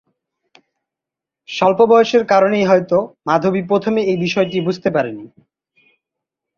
স্বল্প বয়সের কারণেই হয়তো মাধবী প্রথমে এই বিষয়টি বুঝতে পারেনি।